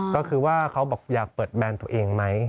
ก็คือว่าเขาบอกอยากเปิดแบรนด์ตัวเองไหม